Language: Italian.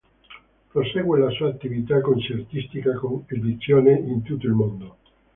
Prosegue la sua attività concertistica, con esibizioni in tutto il mondo.